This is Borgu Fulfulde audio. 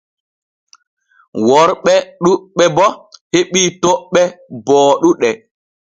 Worɓe ɗuuɓɓe bo heɓii toɓɓe booɗuɗe.